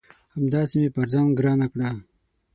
همداسي مې پر ځان ګرانه کړه